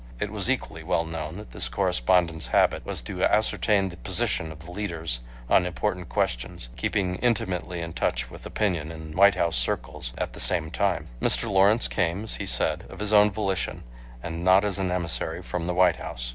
It was equally well known that this correspondent's habit was to ascertain the position of the leaders on important questions, keeping intimately in touch with opinion in White House circles at the same time. Mr. Lawrence came, as he said, of his own volition, and not as an emissary from the White House.